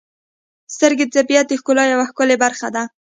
• سترګې د طبیعت د ښکلا یو ښکلی برخه ده.